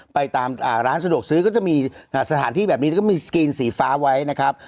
ไปตามร้านสะดวกซื้อก็จะมีสถานที่แบบนี้แล้วก็มีสกรีนสีฟ้าไว้นะครับ